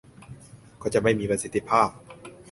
ก็จะไม่มีประสิทธิภาพ